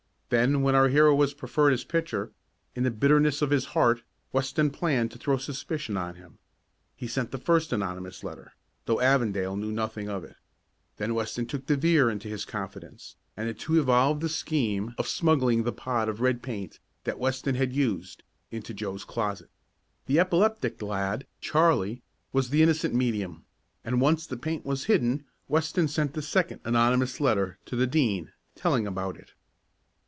Then, when our hero was preferred as pitcher, in the bitterness of his heart, Weston planned to throw suspicion on him. He sent the first anonymous letter, though Avondale knew nothing of it. Then Weston took De Vere into his confidence and the two evolved the scheme of smuggling the pot of red paint, that Weston had used, into Joe's closet. The epileptic lad, Charlie, was the innocent medium, and once the paint was hidden Weston sent the second anonymous letter to the Dean, telling about it.